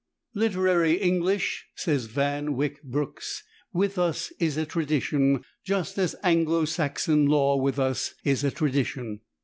"Literary English," says Van Wyck Brooks, "with us is a tradition, just as Anglo Saxon law with us is a tradition.